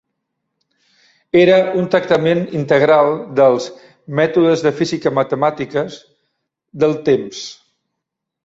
Era un tractament integral dels "mètodes de física matemàtiques" del temps.